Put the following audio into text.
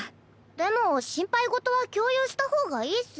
でも心配事は共有した方がいいっス。